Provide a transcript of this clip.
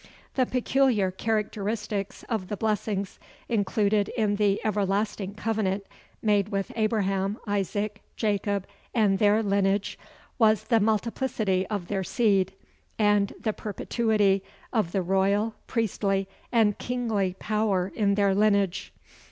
The peculiar characteristics of the blessings included in the Everlasting Covenant made with Abraham, Isaac, Jacob and their lineage, was the multiplicity of their seed; and the perpetuity of the royal, priestly and kingly power in their lineage.